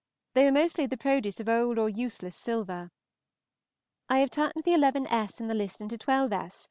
They were mostly the produce of old or useless silver. I have turned the 11_s._ in the list into 12_s.